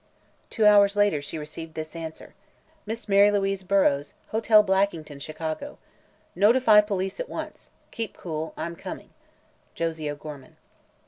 Two hours later she received this answer: "Miss Mary Louise Burrows, Hotel Blackington, Chicago. "Notify police at once. Keep cool. I'm coming. Josie O'Gorman."